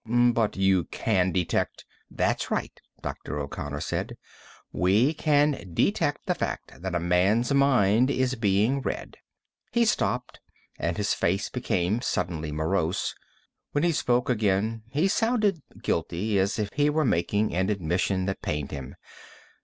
"But you can detect " "That's right," Dr. O'Connor said. "We can detect the fact that a man's mind is being read." He stopped, and his face became suddenly morose. When he spoke again, he sounded guilty, as if he were making an admission that pained him.